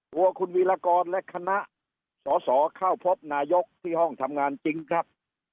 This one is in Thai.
ตัวคุณวีรกรและคณะสอสอเข้าพบนายกที่ห้องทำงานจริงครับ